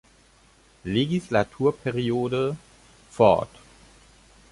Legislaturperiode fort.